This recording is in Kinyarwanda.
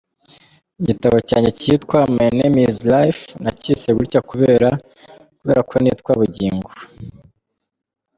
Igitabo cyanjye kitwa “My name is Life” nakise gutyo kubera ko nitwa Bugingo.